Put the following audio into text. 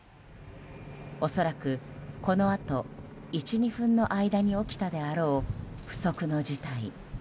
恐らく、このあと１２分の間に起きたであろう不測の事態。